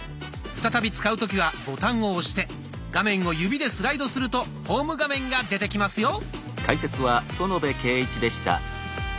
再び使う時はボタンを押して画面を指でスライドするとホーム画面が出てきますよ。